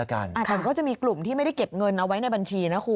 แต่มันก็จะมีกลุ่มที่ไม่ได้เก็บเงินเอาไว้ในบัญชีนะคุณ